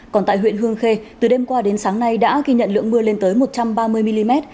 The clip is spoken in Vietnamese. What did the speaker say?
còn tại huyện hương khê từ đêm qua đến sáng nay đã ghi nhận lượng mưa lên tới một trăm ba mươi mm